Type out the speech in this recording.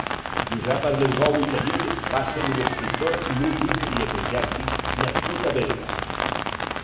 Josep Armengou i Feliu va ser un escriptor, músic i eclesiàstic nascut a Berga.